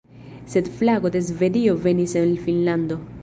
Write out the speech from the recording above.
Sed flago de Svedio venis el Finnlando.